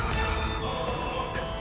jangan lupa tuhan